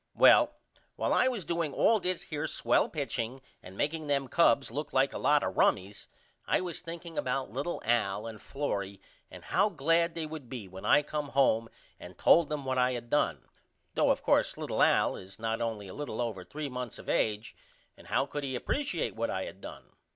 Well while I was doing all this here swell pitching and making them Cubs look like a lot of rummys I was thinking about little Al and Florrie and how glad they would be when I come home and told them what I done though of coarse little Al is not only a little over 3 months of age and how could he appresiate what I done?